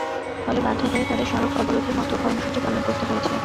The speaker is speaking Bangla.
ফলে বাধ্য হয়ে তাঁদের সড়ক অবরোধের মতো কর্মসূচি পালন করতে হয়েছে।